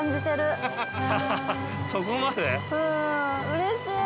うれしい。